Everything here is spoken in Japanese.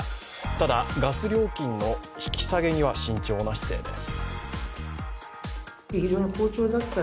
ただ、ガス料金の引き下げには慎重な姿勢です。